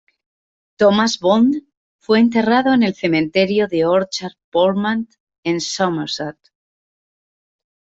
Thomas Bond fue enterrado en el cementerio de Orchard Portman en Somerset.